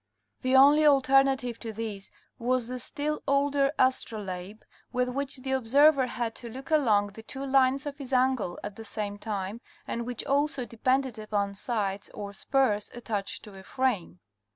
The only alternative to this was the still older astro labe with which the observer had to look along the two lines of his angle at the same time, and which also depended upon sights or spurs attached to a frame.